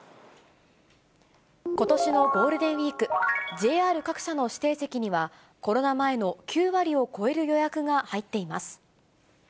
ことしのゴールデンウィーク、ＪＲ各社の指定席には、コロナ前の９割を超える予約が入っています。